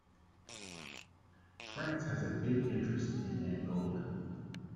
France has a big interest in Angola.